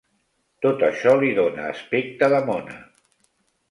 Tot això li dóna l'aspecte de mona.